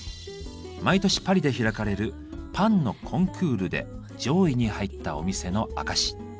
毎年パリで開かれるパンのコンクールで上位に入ったお店の証し。